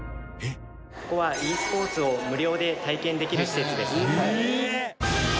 ここはｅスポーツを無料で体験できる施設です。